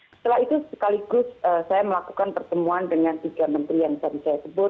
setelah itu sekaligus saya melakukan pertemuan dengan tiga menteri yang tadi saya sebut